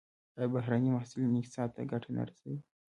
آیا بهرني محصلین اقتصاد ته ګټه نه رسوي؟